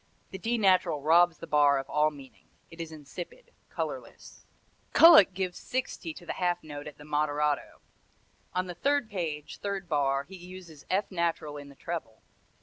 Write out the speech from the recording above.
The D natural robs the bar of all meaning. It is insipid, colorless. Kullak gives 60 to the half note at the moderato. On the third page, third bar, he uses F natural in the treble.